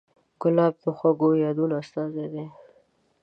ګلاب د خوږو یادونو استازی دی.